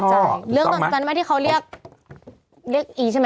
อันนี้คือเรื่องตอนช่อถูกต้องไหม